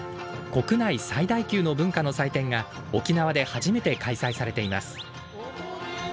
国内最大級の文化の祭典が沖縄で初めて開催されています。